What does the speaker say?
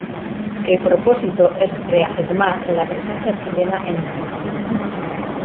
El propósito es reafirmar la presencia chilena en el continente.